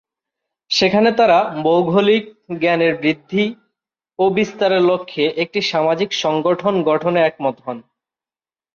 সেখানে তাঁরা ভৌগোলিক জ্ঞানের বৃদ্ধি ও বিস্তারের লক্ষ্যে একটি সামাজিক সংগঠন গঠনে একমত হন।